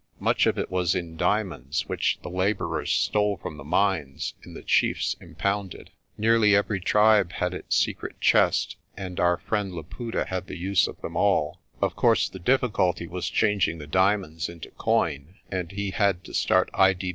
Much of it was in diamonds, which the labourers stole from the mines and the chiefs impounded. Nearly every tribe had its secret * Lesser chiefs. ARCOLL TELLS A TALE 101 chest, and our friend Laputa had the use of them all. Of course the difficulty was changing the diamonds into coin, and he had to start I.